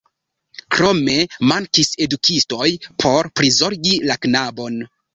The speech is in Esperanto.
Krome mankis edukistoj por prizorgi la knabon.